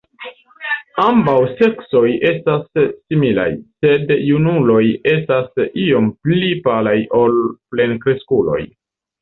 Ambaŭ seksoj estas similaj, sed junuloj estas iome pli palaj ol plenkreskuloj.